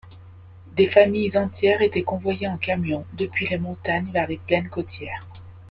Des familles entières étaient convoyées en camion depuis les montagnes vers les plaines côtières.